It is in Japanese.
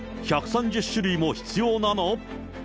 １３０種類も必要なの？